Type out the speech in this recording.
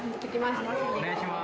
お願いします。